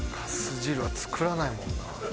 粕汁は作らないもんな。